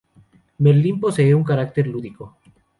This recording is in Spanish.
Merlin posee un carácter lúdico.